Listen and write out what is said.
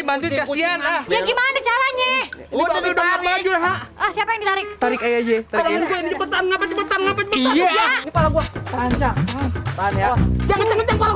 bantuin kasihan lah gimana caranya udah siapa yang ditarik tarik aja cepetan cepetan cepetan